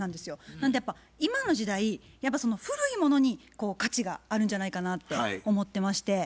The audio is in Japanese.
なんでやっぱ今の時代古いものに価値があるんじゃないかなって思ってまして。